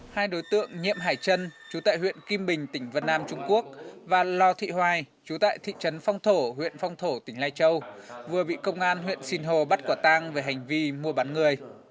hai đối tượng nhiệm hải trân chú tại huyện kim bình tỉnh vân nam trung quốc và lò thị hoài chú tại thị trấn phong thổ huyện phong thổ tỉnh lai châu vừa bị công an huyện sinh hồ bắt quả tang về hành vi mua bán người